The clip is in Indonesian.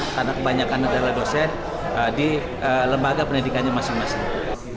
karena kebanyakan adalah dosen di lembaga pendidikannya masing masing